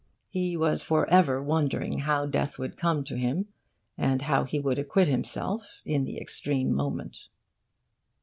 He was for ever wondering how death would come to him, and how he would acquit himself in the extreme moment.